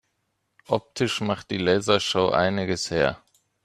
Optisch macht die Lasershow einiges her.